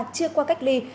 chưa qua cách ly